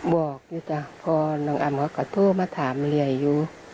บอกอยู่จ้ะพอน้องอำเขาก็โทรมาถามเรื่อยอยู่